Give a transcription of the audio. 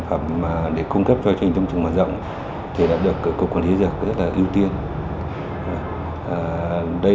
phẩm để cung cấp cho truyền thông trường mở rộng thì đã được cục quản lý dược rất là ưu tiên đây